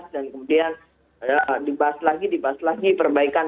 dan kemudian dibahas lagi perbaikan